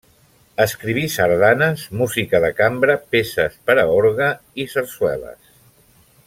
Escriví sardanes, música de cambra, peces per a orgue i sarsueles.